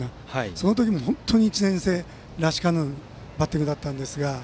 その時も本当に１年生らしからぬバッティングでしたが。